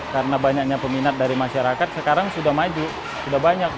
karena banyaknya peminat dari masyarakat sekarang sudah maju sudah banyak